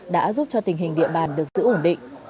đã giúp cho tình hình địa bàn được giữ ổn định